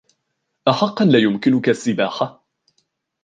أحقاً لا يمكنك السباحة ؟